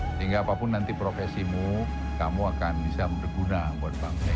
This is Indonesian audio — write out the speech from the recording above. sehingga apapun nanti profesimu kamu akan bisa berguna buat bangsa ini